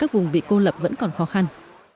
tiếp cận các vùng bị cô lập vẫn còn khó khăn